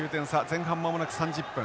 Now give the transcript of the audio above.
前半間もなく３０分。